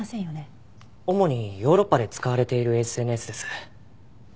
主にヨーロッパで使われているＳＮＳです。